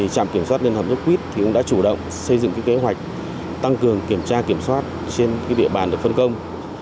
trạm kiểm soát liên hợp nhất quyết cũng đã chủ động xây dựng kế hoạch tăng cường kiểm tra kiểm soát trên địa bàn được phân công